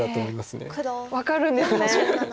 分かるんですね。